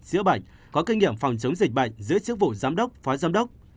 chữa bệnh có kinh nghiệm phòng chống dịch bệnh giữa chức vụ giám đốc phó giám đốc